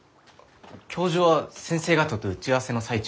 教授は先生方と打ち合わせの最中です。